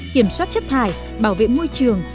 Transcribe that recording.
kiểm soát chất thải bảo vệ môi trường